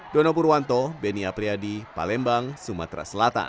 dono purwanto benia priadi palembang sumatera selatan